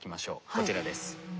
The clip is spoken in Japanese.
こちらです。